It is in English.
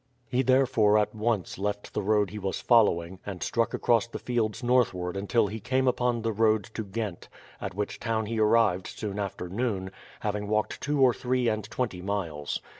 He therefore at once left the road he was following, and struck across the fields northward until he came upon the road to Ghent, at which town he arrived soon after noon, having walked two or three and twenty miles.